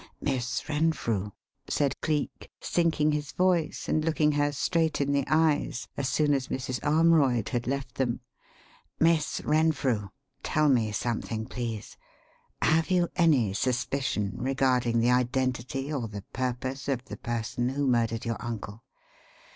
"Miss Renfrew," said Cleek, sinking his voice and looking her straight in the eyes, as soon as Mrs. Armroyd had left them, "Miss Renfrew, tell me something please: Have you any suspicion regarding the identity or the purpose of the person who murdered your uncle?"